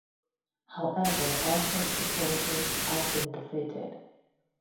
However, all such proposals have been defeated.